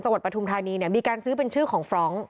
วัดปฐุมธานีเนี่ยมีการซื้อเป็นชื่อของฟรองก์